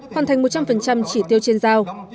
hoàn thành một trăm linh chỉ tiêu trên giao